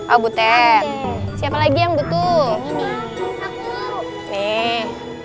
oh butet siapa lagi yang butuh